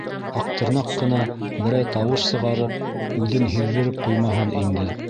Аҡтырнаҡ ҡына берәй тауыш сығарып, үҙен һиҙҙереп ҡуймаһын инде.